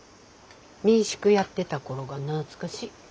民宿やってた頃が懐かしい。